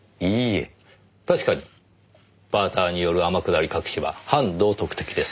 確かにバーターによる天下り隠しは反道徳的です。